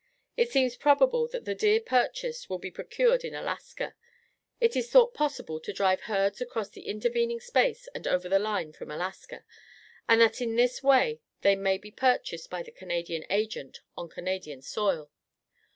It seems probable that the deer purchased will be procured in Alaska. It is thought possible to drive herds across the intervening space and over the line from Alaska, and that in this way they may be purchased by the Canadian Agent on Canadian soil.